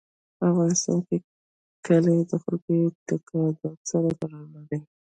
په افغانستان کې کلي د خلکو د اعتقاداتو سره تړاو لري.